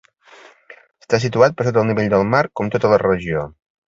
Està situat per sota el nivell del mar com tota la regió.